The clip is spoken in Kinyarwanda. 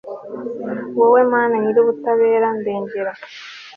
wowe mana nyir'ubutabera ndengera